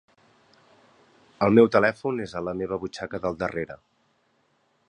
El meu telèfon és a la meva butxaca del darrere.